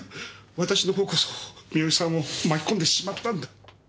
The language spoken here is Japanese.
私のほうこそ三好さんを巻き込んでしまったんだ。